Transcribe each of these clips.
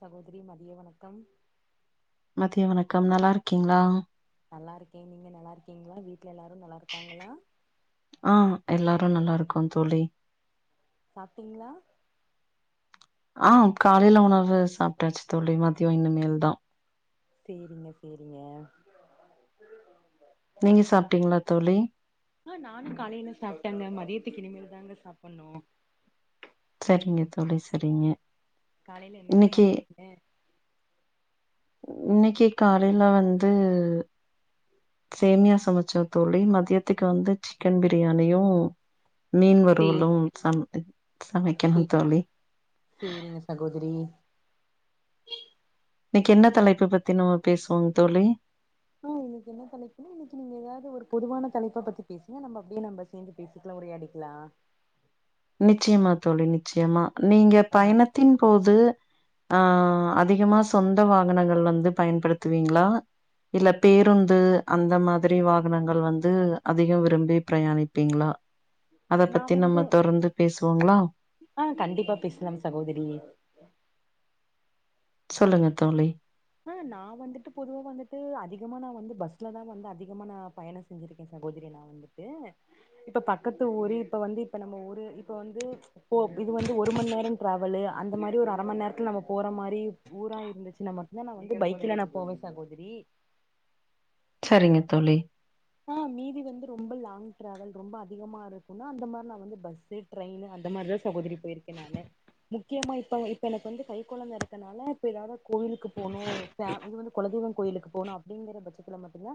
சகோதரி மதிய வணக்கம் மதிய வணக்கம் நல்லார்க்கீங்களா நல்லாருக்கே நீங்க நல்லாருக்கீங்களா வீட் எல்லாரு நல்லாருக்காங்களா ரு நல்லாருக்கோ தோழி சாப்டீங்ளா ஆஹ் காலைல உணவு சாப்ட்டாச்சு தோழி மதியோ இனிமேல் தான் சேரிங்க சேரிங்க நீங்க சாப்டிங்களா தோழி ஆ நானு காலையில சாப்டேங்க மதியத்துக்கு இனிமேல் தாங்க சாப்டணு சரிங்க தோழி சரிங்க காலையில என்னங்க இன்னைக்கி சமைச்சீங்க இன்னைக்கி காலையில வந்து சேமியா சமைச்சே தோழி மதியத்துக்கு வந்து சிக்கன் பிரியாணியும் மீன் சேர் வருவலும் சமைத் சேரி சேரிங்க சகோதரி இன்னைக்கி என்ன தலைப்பு பத்தி நம்ம பேசுவோங்க தோழி ஆ இன்னைக்கு என்ன தலைப்புன்னு இன்னைக்கு நீங்க ஏதாவது ஒரு பொதுவான தலைப்ப பத்தி பேசுவோம் நம்ம அப்டியே நம்ம சேர்ந்து பேசிக்கலா உரையாடிக்கலாம் நிச்சயமா தோழி நிச்சயமா நீங்க ஆ பயணத்தின் போது ஆ அதிகமா சொந்த வாகனங்கள் வந்து பயன்படுத்துவீங்களா இல்ல பேருந்து அந்த மாதிரி வாகனங்கள் வந்து அதிகோ விரும்பி ப்ரயாணிப்பீங்களா நா வந்து பேசுவோங்களா? ஆ கண்டிப்பா பேசலாம் சகோதரி சொல்லுங்க தோழி ஆ நா வந்துட்டு பொதுவா வந்துட்டு அதிகமா நா வந்து பஸ்லதா வந்து அதிகமா நா பயணம் செஞ்சிருக்கே சகோதரி நா வந்துட்டு இப்ப பக்கத்து ஊர் இப்ப வந்து இப்ப நம்ம ஊரு இப்ப வந்து இது வந்து ஒரு மணி நேரம் டிராவலு அந்த மாரி ஒரு அர மணி நேரத்துல நம்ம போற மாரி ஊரா இருந்துச்சு நம்ம இத நா வந்து பைக்ல நா போவே சகோதரி சரிங்க தோழி. ஆ மீதி வந்து ரொம்ப லாங் டிராவல், ரொம்ப அதிகமா இருக்குன்னா அந்த மாரி நா வந்து பஸ்ஸு, ட்ரெயின்னு அந்த மாரிதா சகோதரி போயிருக்கே நானு முக்கியமா இப்ப, இப்ப எனக் வந்து கைக்கொழந்த இருக்கனால இப்ப [unintelligible] கோவிலுக்கு போனு [unintelligible] இது வந்து கொலதெய்வோ கொயிலுக்கு போனு அப்டிங்கற பட்சத்துல மட்டு்தா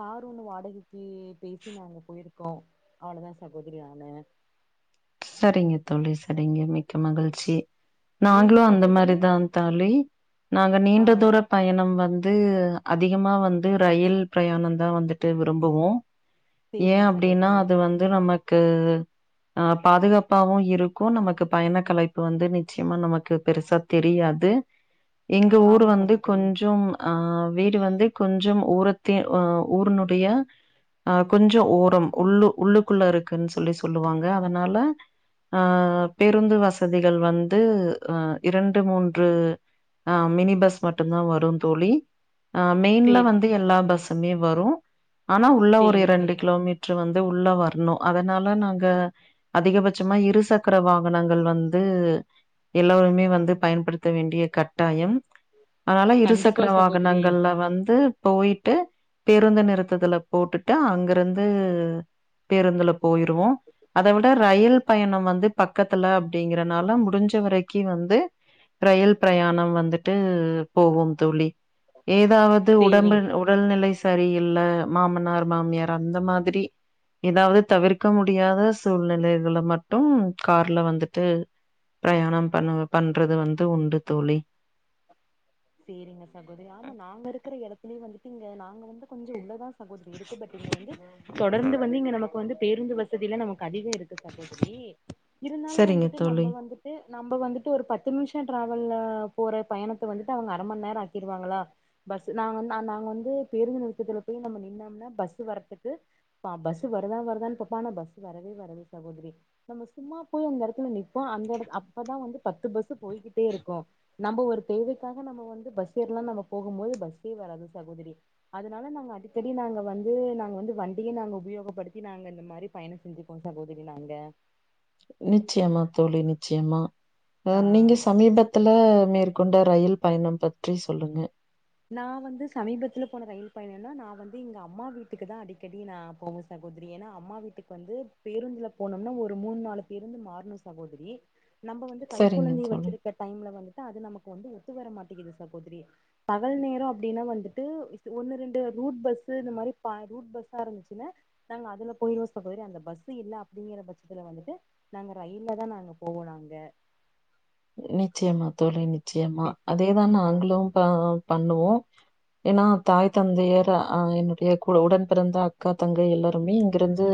கார் ஒன்னு வாங்கி [unintelligible] பேசி நாங்க போயிருக்கோ அவ்ளோதா சகோதரி நானு சரிங்க தோழி சரிங்க மிக்க மகிழ்ச்சி. நீங்க நாங்களு அந்த சகோதரி மாரிதா தோழி, நாங்க ஆ நீண்ட தூர பயணம் வந்து அது அதிகமா வந்து ரயில் ப்ரயாணந்தா வந்துட்டு விரும்புவோ. ஏ சேரிங்க அப்டின்னா சகோதரி அது வந்து நம்ம க்கு ஆப் பாதுகாப்பாவு இருக்கும், நமக்கு பயணக் கலைப்பு வந்து நிச்சியமா நமக்கு பெருசா தெரியாது. எங்க ஊரு ஆமா வந்து சகோதரி கொஞ்சோம் ஆ வீடு வந்து கொஞ்சம் ஊரத்தி ஊரனுடைய அ கொஞ்சோ ஓரம் உள்ளு-உள்ளுக்குள்ள இருக்குனு சொல்லி சொல்லுவாங்க அதனால ஆ பேருந்து வசதிகள் வந்து ஆ இரண்டு மூன்று அ மினி பஸ் மட்டுந்தா வரு தோழி. அ மெயின்ல சேரிங்க வந்து எல்லா சகோதரி பஸ்ஸுமே வரும் ஆனா உள்ள ஒரு சேரி சேரி ரெண்டு கிலோமீட்ரு வந்து உள்ள வரு னு அதனால நாங்க அதிகபட்சமா இருசக்கர வாகனங்கள் வந்து எல்லோருமே வந்து பயன்படுத்த வேண்டிய கட்டாயம் அதனால கண்டிப்பா இருசக்கர சகோதரி வாகனங்கள்ல வந்து போயிட்டு பேருந்து நிறுத்தத்துல போட்டுட்டு அங்கருந்து பேருந்துல போயிருவோ அத விட ரயில் பயணம் வந்து பக்கத்துல அப்டிங்கறனால முடிஞ்ச வரக்கி வந்து ரயில் பிரயாணம் வந்துட்டு போவோம் தோழி ஏதாவது உடம்பு சேரிங் உடல்நிலை ச சரி இல்ல மாமனார் மாமியார் அந்த மாதிரி எதாவது தவிர்க்க முடியாத சூழ்நிலைகள்ல மட்டும் கார்ல வந்துட்டு பிரயாணம் பண்ண பண்றது வந்து உண்டு தோழி சேரிங்க சகோதரி ஆமா நாங்க இருக்குற எடத்துலே வந்துட்டு இங்க நாங்க வந்து கொஞ்சொ உள்ளதா சகோதரி இருக்கு பட் இங்க வந்து தொடர்ந்து வந்து இங்க நமக் வந்து பேருந்து வசதில நமக் கதிகொ இருக்கு சகோதரி இருந்தாலு சரிங்க வந்துட்டு நம்ப தோழி வந்துட்டு நம்ப வந்துட்டு ஒரு பத்து நிம்ஷொ ட்ராவல்ல போற பயணத்த வந்துட்டு அவுங்க அரமண்நேரொ ஆக்கிருவாங்களா பஸ்ஸு நாங்க வந், நா- நாங்க வந்து பேருந்து நிறுத்தத்துல போய் நம்ம நின்னோம்னா பஸ்ஸு வரத்துக்கு பஸ்ஸு வருதா வருதான் பாப்போ ஆனா பஸ்ஸு வரவே வராது சகோதரி, நம்ம சும்மா போய் அந்த எடத்துல நிப்போ அந்த எடத் அப்பதா வந்து பத்து பஸ்ஸு போயிக்கிட்டே இருக்கு, நம்ப ஒரு தேவைக்காக நம்ம வந்து பஸ்ஸு ஏர்லான் நம்ம போகும் போது பஸ்ஸே வராது சகோதரி, அதனால நாங்க அடிக்கடி நாங்க வந்து நாங்க வந்து வண்டிய நாங்க உபயோகப்படுத்தி நாங்க இந்த மாரி பயணொ செஞ்சிப்போ சகோதரி நாங்க. நிச்சயமா தோழி நிச்சயமா அ ஆ நீங்க சமீபத்துல மேற் கொண்ட ரயில் பயணம் பற்றி சொல்லுங்க நா வந்து சமீபத்துல போன ரயில் பயணனா நா வந்து எங்க அம்மா வீட்டுக்குதா அடிக்கடி நா போவ சகோதரி ஏன்னா அம்மா வீட்டுக்கு வந்து பேருந்துல போணும்னா ஒரு மூண் நாலு பேருந்து மாற்ணு சகோதரி நம்ப வந்து சரிங்க கைக்குழந்தய தோழி வச்சிருக்க டைம்ல வந்து டு அது நமக்கு வந்து ஒத்து வர மாட்டிகிது சகோதரி பகல் நேரொ அப்டின்னா வந்துட்டு ஸ் ஒன்னு ரெண்டு ரூட் பஸ்ஸு இந்த மாரி ப ரூட் பஸ்ஸாருந்துச்சுன்னா நாங்க அதுல போய்ருவோ சகோதரி அந்த பஸ்ஸு இல்ல அப்டிங்கிற பட்சத்துல வந்துட்டு நாங்க ரயில்லதா நாங்க போவோ நாங்க நிச்சயமா தோழி நி ச்சயமா பேத்தி அதே தா ஆ நாங்களு ப பண்ணுவோ ஏனா தாய் தந்தையர் ஆ என்னுடைய குட உடன் பிறந்த அக்கா தங்கை எல்லோருமே இங்கருந்து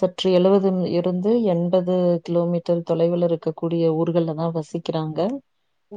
சற்று எழுவது ம் இருந்து எண்பது கிலோ மீட்டர் தொலைவுல இருக்கக் கூடிய ஊர்கள்லதா வசிக் க்கிறாங்க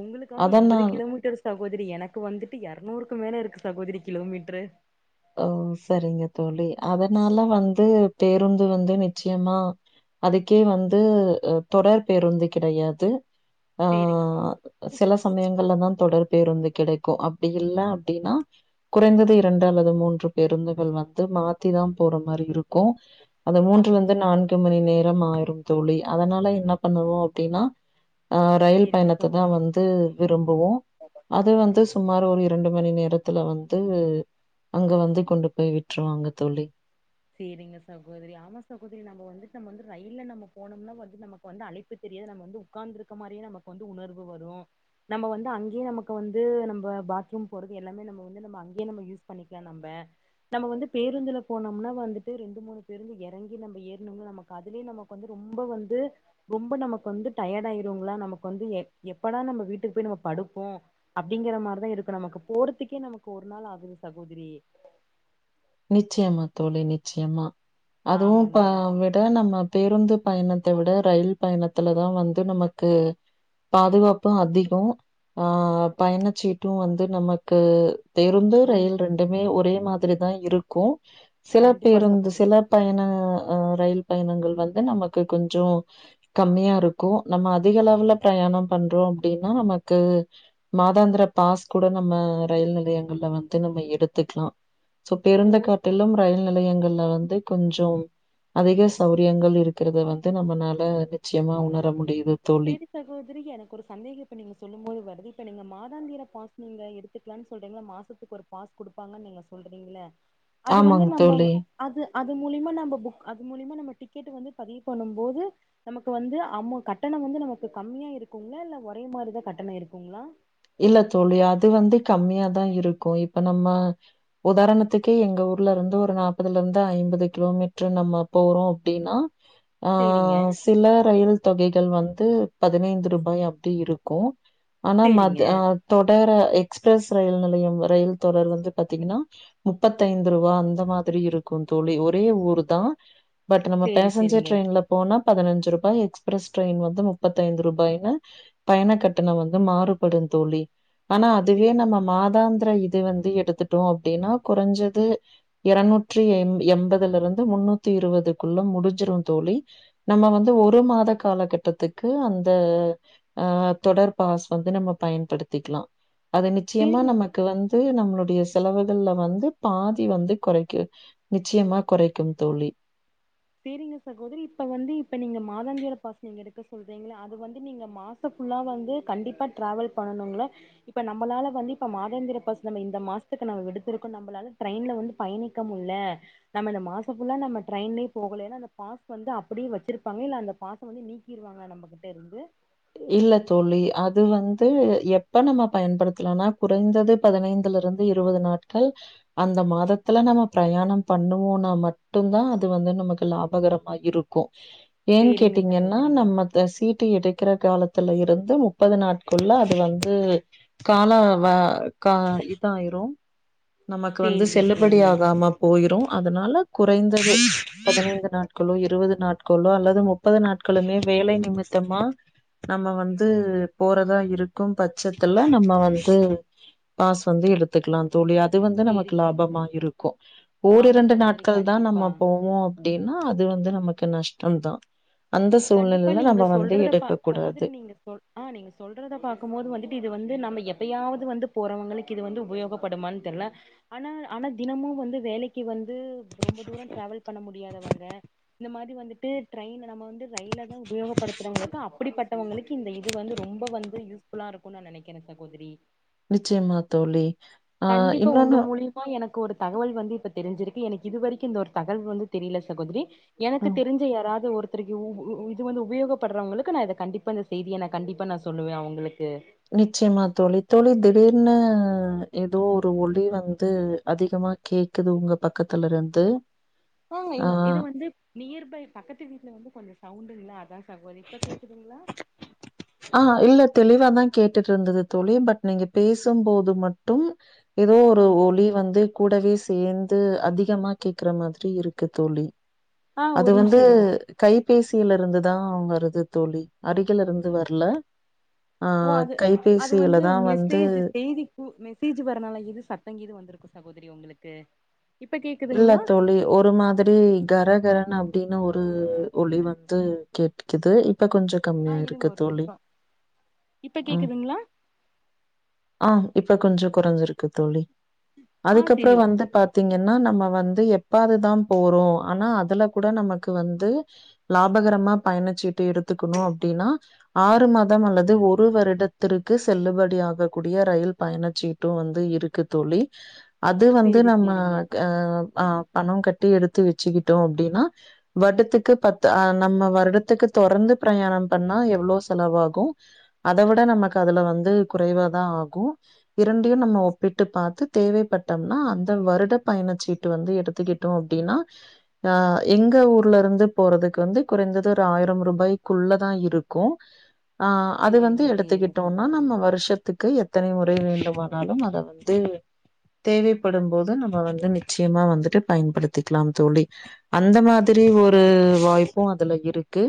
உங்களுக்காவ்து எம்பது கிலோமீட்டர் சகோதரி எனக்கு வந்துட்டு எரனூருக்கு மேல இருக்கு சகோதரி கிலோமீட்ரு ஓ சரிங்க தோழி அதனால வந்து பேருந்து வந்து நிச்சயமா அதுக்கே வந்து அ தொடர் பேருந்து கிடையாது ஆ சேரிங்க சில சமயங் லதா தொடர்பு இருந்து கிடைக்கு அப்டி இல்ல அப்டின்னா குறைந்தது இரண்டு அல்லது மூன்று பேருந்துகள் வந்து மாத்திதா போற மாரி இருக் க்கு அந்த மூன்று ஆம் வந்து நான்கு மணி நேரம் ஆயிரும் தோழி அதனால என்ன பண்ணுவோ அப்டின்னா ஆஹ ரயில் சேரிங்க பயணத்தை தான் சகோதரி வந்து விரும்புவோம் அது வந்து சுமார் ஒரு இரண்டு மணி நேர இதுல வந்து அங்கு வந்து கொண்டு போய் விட்டுருவாங்க தோழி சரிங்க சகோதரி ஆமா சகோதரி நம்ம வந்து நம்ம வந்து ரயில்ல நம்ம போனோம்னா வந்து நமக்கு வந்து அலுப்பு தெரியாது நம்ம வந்து உட்கார்ந்து இருக்க மாதிரியே நமக்கு வந்து உணர்வு வரும் நம்ம வந்து அங்கேயே நமக்கு வந்து நம்ம பாத்ரூம் போறது எல்லாமே நம்ம வந்து நம்ம அங்கயே நம்ம யூஸ் பண்ணிக்கலாம் நம்ம நம்ம வந்து பேருந்துல போனம்னா வந்துட்டு ரெண்டு மூணு பேருந்து இறங்கி நம்ம ஏறணும்னா நமக்கு அதுவே நமக்கு வந்து ரொம்ப வந்து ரொம்ப நமக்கு வந்து டயட் ஆயிருமல்ல நமக்கு வந்து எ எப்படா நம்ம வீட்டுக்கு போய் நம்ம படுப்போம் அப்படிங்கிற மாதிரிதான் இருக்கும் நமக்கு போறதுக்கே நமக்கு ஒரு நாள் ஆகுது சகோதரி நிச்சயம்மா தோழி நிச்சயமா அதுவும் பா ஆமாங்க விட நம்ம பேருந்து பயணத்தை விட ரயில் பயணத்துல தான் வந்து நமக்கு பாதுகாப்பும் அதிகம் ஆஹ் பயணச்சீட்டும் வந்து நமக்கு பேருந்து ரொம் ரயில் ரெண்டுமே ஒரே மாதிரி தான் இருக்கும் சில கண்டிப்பா பேருந்து சகோதரி சில டைனே அஹ் ரயில் பயணங்கள் வந்து நமக்கு கொஞ்சம் கம்மியா இருக்கும் நம்ம அதிக அளவுல பிரயாணம் பண்றோம் அப்படின்னா நமக்கு மாதாந்திர பாஸ் கூட நம்ம ரயில் நிலையங்களில் வந்து நம்ம எடுத்துக்கலாம் சோ, ஓ பேருந்து காட்டிலும் ரயில் நிலையங்கள்ல வந்து கொஞ்சம் அதிக சவுரியங்கள் இருக்கிறத வந்து நம்மனாலே நிச்சயமா உணர முடியுது தோழி. சரி சகோதரி எனக்கு ஒரு சந்தேகம் இப்ப நீங்க சொல்லும்போது வருது இப்ப நீங்க மா மாதந்திர பாஸ் நீங்க எடுத்துக்கலாம் சொல்றீங்கலே மாசத்துக்கு ஒரு பாஸ் கொடுப்பாங்க நீங்க சொல்றீங்களே அது வந்து ஆமாங்க நம்ப தோழி. அது அது மூலியமா நம்ம மூலியமா நம்ப கேட்டு வந்து பதிவு பண்ணும் போது நமக்கு வந்து அம்மவு கட் கட்டணம் வந்து நமக்கு கம்மியா இருக்குங்களா இல்ல ஒரே மாதிரிதான் கட்டணம் இருக்குங்களா இல்ல தோழி அது வந்து கம்மியாதான் இருக்கும் இப்ப நம்ம உதாரணத்துக்கே எங்க ஊர்ல இருந்து ஒரு நாற்பதுல இருந்து ஐம்பது கிலோமீட்டரு நம்ம போறோம் அப்படின்னா சேரிங்க ஆஹ் சில ரயில் தொகைகள் வந்து பதினைந்து ரூபாய் அப்படி இருக்கும் ஆனா மத சேரிங்க ஆஹ தொடர எக்ஸ்பிரஸ் ரயில் நிலையம் ரயில் தொடர் வந்து பாத்தீங்கன்னா முப்பத்து ஐந்து ரூபா அந்த மாதிரி இருக்கும் தோழி ஒரே ஊர் தான் பட் நம்ம சேரி பேசஞ்சர் சேரிங்க ட்ரெயின்ல போனா பதினஞ்சு ரூபாய் எக்ஸ்பிரஸ் ட்ரெயின் வந்து முப்பத்தி ஐந்து ரூபாயுனு பயண கட்டணம் வந்து மாறும் படும் தோழி ஆனா அதுவே சேரி நம்ம மாதாந் இது வந்து எடுத்துட்டோ அப்படின்னா குறைஞ்சது இருநூற்றி எ எண்பதுல இருந்து முன்னூத்தி இருபதுக்குள்ள முடிஞ்சிடும் தோழி நம்ம வந்து ஒரு மாத காலதிட்டத்துக்கு அந்த ஆஹ் தொடர்பாஸ் வந்து நம்ம பயன்படுத்திக்கலா அது நிச்சயமா சேரிங்க நமக்கு வந்து இதே நம்மளுடைய செலவுகள்ல வந்து பாதி வந்து குறைக்கு நிச்சயமா குறைக்கும் தோழி சேரிங்க சகோதரி இப்ப வந்து இப்ப நீங்க மாதாந்திர பாஸ நீங்க எடுக்க சொல்றீங்கள்ல அது வந்து நீங்க மாச ஃபுல்லா வந்து கண்டிப்பா டிராவல் பண்ணனும்ங்களா இப்ப நம்மளால வந்து இப்ப மாதாந்திர பாஸ் நம்ம இந்த மாசத்துக்கு நம்ம எடுத்திருக்கோம் நம்மளால டிரரெயின்ல வந்து பயணிக்கமுடில்ல நம்ம இந்த மாசம் ஃபுல்லா நம்ம ட்ரெயின்ல போகலேன்னா அந்த பாஸ் வந்து அப்படியே வச்சிருப்பாங்க இல்ல அந்த பாஸ் வந்து நீக்கிருவாங்கலா நம்மகிட்ட இருந்து இல்லே தோழி அது வந்து எப்ப நம்ம பயன்படுத்தலானா குறைந்தது பதினைந்துல இருந்து இருபது நாட்கள் அந்த மாதத்துல நம்ம பிரயாணம் பண்ணுவோம்னா மட்டும் தான் அது வந்து நமக்கு லாபகரமா இருக்கும் ஏன் சேரிங்க கேட்டீங்கன்னா சகோதரி நம்மத்த சீட்டு வீடு இருக்கிற காலத்துல இருந்து முப்பது நாட்குள்ள அது வந்து கால வ கா இதாயிரும் நமக்கு வந்து சேரிங்க செல்லுபடி சேரிங்க ஆகாம போயிரும் அதுனால குறைந்தது பதினைந்து நாட்களோ இருபது நாட்களோ அல்லது முப்பது நாட்களுமே வேலை நிமித்தமா நம்ம வந்து போறதா இருக்கும் பட்சத்துல நம்ம வந்து பாஸ் வந்து எடுத்துக்கலாம் தோழி அது வந்து நமக்கு சேரிங்க லாபமா இருக்கு ஓர் ஆமா இரண்டு சகோதரி நாட்கள் தான் நம்ம கண்டிப்பா போவோம் அப்படின்னா அது வந்து நமக்கு நஷ் அது தா அந்த கண்டிப்பா சூழ்நிலைல நீங்க நம்ம வந்து சொல்றத பா எடுக்க கூடாது சகோதரி நீங்க சொல் ஆ நீங்க சொல்றத பாக்கும் போது வந்துட்டு இது வந்து நம்ம எப்பயாவது வந்து போறவங்களுக்கு இது வந்து உபயோகப்படுமானு தெரில ஆனா ஆனா தினமும் வந்து வேலைக்கு வந்து ந்து ரொம்ப தூரம் ட்ராவல் பண்ண முடியாதவங்க இந்த மாரி வந்துட்டு ட்ரெயின் நம்ம வந்து ரயில தான் உபயோகப்படுத்துறவங்களுக்கு அப்படிப்பட்டவங்களுக்கு இந்த இது வந்து ரொம்ப வந்து யூஸ்ஃபுல்லா இருக்கும்னு நான் நினைக்கிறேன் சகோதரி நிச்சயமா தோழி ஆஹ் கண்டிப்பா உங்க இன்னொன்னு மூலியமா எனக்கு ஒரு தகவல் வந்து இப்ப தெரிஞ்சிருக்கு எனக்கு இதுவரைக்கும் இந்த தகவல் வந்து தெரில சகோதரி எனக்கு ம் தெரிஞ்ச யாராவது ஒருத்தருக்கு இது வந்து உபயோகப்படுறவங்களுக்கு நான் இதை கண்டிப்பாக இந்த செய்தியை நான் கண்டிப்பாக நான் சொல்லுவேன் அவங்களுக்கு நிச்சயமா தோழி தோழி திடீர்னு ஏதோ ஒரு ஒளி வந்து அதிகமா கேக்குது உங்க பக்கத்துல இருந்து ஆஹ் ஆ இது வந்து நியர்பை பக்கத்து வீட்ல வந்து கொஞ்ச சௌன்ட் இல்ல அதா தகவதி இப்ப கேக்குதுங்களா ஆஹ் இல்ல தெளிவாத கேட்டுட்டு இருந்தது தோழி பட் நீங்க பேசும்போது மட்டும் ஏதோ ஆ ஒரு ஒளி வந்து கூடவே என் து அதிகமா கேக்ற மாதிரி இருக்கு தோழி ஆ, அது ஒரு வந்து நிமிஷோ இருங்க கைபேசி கீழ இருந்து தா வருது தோழி அருகிலருந்து அது வர்ல ஓ அது அது வந்து மெஸ்ஸேஜ் செய்திக்கு மெஸ்ஸேஜ் வரனால இது சத்தங்கீது வந்திருக்கோ சகோதரி தெரிய உங்களுக்கு இப்ப இல்ல கேக்குதுங்களா தோழி ஒரு மாதிரி கரகரன்ன அப்டின்னு ஒரு ஒளி வந்து கேட்டுகிது இப்ப கொஞ்ச ஆ கம்மியா இருங்க இருக்கு ஒரு தோழி நிமிஷோ இப்ப ஆஹ் கேக்குதுங்களா ஆஹ் இப்ப கொஞ்சோ கொறஞ்சுருக்கு தோழி ஆ செரி அதுக்கப்றம் ஓ வந்து பாத்தீங்கனா ன்னா நம்ம வந்து எப்பாதுதா போறோ ஆனா அதுல கூட நமக்கு வந்து லாபகரமா பயணச்சீட்டு எடுத்துக்கணு அப்டினா ஆறு மாதம் அல்லது ஒரு வருடத்திற்கு செல்லுபடி ஆக கூடிய ரயில் பயணசீட்டும் வந்து இருக்கு தோழி அது வந்து செரி நம்ம செரிங்க ந ஆ பணம் கட்டி எடுத்து வச்சுகிட்டோ அப்டின்னா வருடத்துகு பத்துஹ நம்ம வருடதுக்கு தொடர்ந்து பிரயாணம் பண்ணா எவ்ளோ செலவாகு அத விட நமக்கு அதுல வந்து குறைவாதா ஆகும் இரண்டியும் நம்ம ஒப்பிட்டு பாத்து தேவைப்பட்டம்னா அந்த வருட பயணசீட்டு வந்து எடுதிக்கிட்டோ அப்டின்னா அஹ் எங்க ஊர்ல இருந்து போறதுக்கு வந்து குறைந்தது ஒரு ஆயிரம் ரூபாய்குள்ளதா இருக்கு ஆஹ் அது வந்து சேரிங்க சேரிங்க எடுத்துகிட்டோம்னா சகோதரி நம்ம வருஷத்துக்கு எத்தனை முறை வேண்டும் வானாலும் அத வந்து தேவைபடும் போது நம்ம வந் [inaudible] நிச்சயமா வந்துட்டு பயன்படுதிட் க்லாம் தோழி அந்த மாதிரி ஒரு வாய்பும் அதுல இருக்கு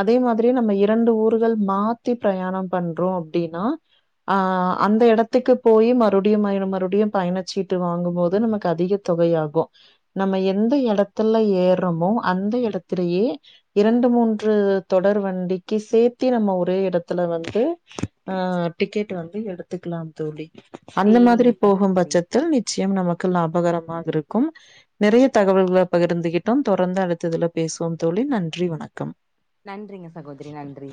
அதே மாதிரி நம்ம இரண்டு ஊர்கள் மாத்தி பிரயாணம் பண்றோ அப்டின்னா ஆஹ் அந்த எடத்துக்கு போயி மறுடியும் மயண மறுடியும் பயணசீட்டு வாங்கும் போது நமக்கு அதிக தொகையாகு நம்ம எந்த எடத்துல ஏற்ரமோ அந்த எடத்துலயே இரண்டு மூன்று தொடர் வண்டிக்கி சேர்த்தி நம்ம ஒரே எடத்துல வந்து ஆஹ் டிக்கெட்டு வந்து எடுத்துக்லாம் தோழி அந்த மாதிரி சேரிங்க போகும் சகோதரி பட்சத்தில் நிச்சியம் நமக்கு லாபகரம் மாதுருக்கும் நெறய தகவல்கள பகிர்ந்துகிட்டோம் தொடர்ந்து அடுத்ததுல பேசுவோம் தோழி நன்றி வணக்கம் நன்றிங்க சகோதரி நன்றி